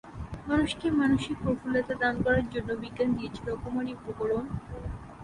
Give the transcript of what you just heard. মানুষকে মানসিক প্রফুল্লতা দান করার জন্য বিজ্ঞান দিয়েছে রকমারি উপকরণ।